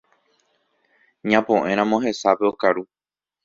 Ñapo'ẽramo hesápe okaru